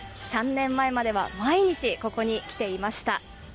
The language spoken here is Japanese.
３年前までは毎日、ここに来ていました。